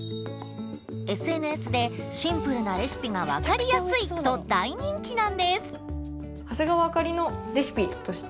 ＳＮＳで「シンプルなレシピが分かりやすい」と大人気なんです！